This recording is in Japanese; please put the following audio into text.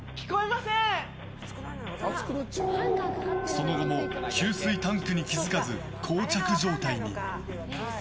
その後も給水タンクに気づかず膠着状態に。